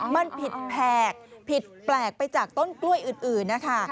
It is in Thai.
มันผิดแผกผิดแปลกไปจากต้นกล้วยอื่นนะคะ